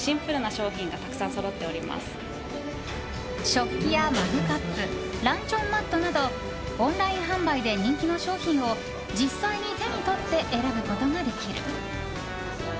食器やマグカップランチョンマットなどオンライン販売で人気の商品を実際に手に取って選ぶことができる。